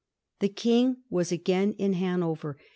The King was again in Hanover.